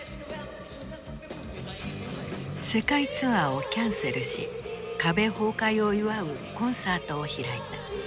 世界ツアーをキャンセルし壁崩壊を祝うコンサートを開いた。